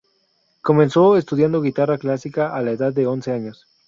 Comenzó estudiando guitarra clásica a la edad de once años.